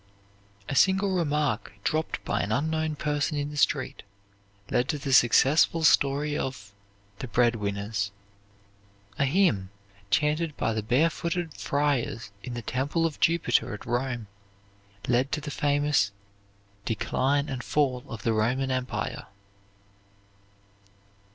A single remark dropped by an unknown person in the street led to the successful story of "The Bread winners." A hymn chanted by the barefooted friars in the temple of Jupiter at Rome led to the famous "Decline and Fall of the Roman Empire."